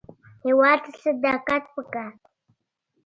هېواد ته صداقت پکار دی